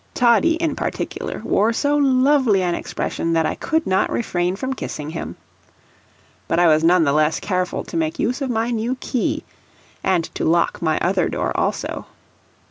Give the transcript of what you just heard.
Toddie, in particular, wore so lovely an expression that I could not refrain from kissing him. But I was none the less careful to make use of my new key, and to lock my other door also.